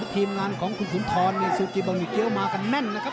ทีมงานของสุนทรเนื้อซูจิบองนิเดียวมากันแน่นนะครับ